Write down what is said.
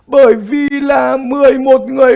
bởi vì là một mươi một người